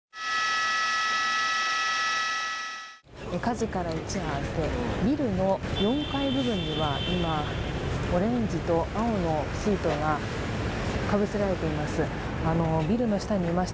火事から一夜明け、ビルの４階部分には今、オレンジと青のシートがかぶせられています。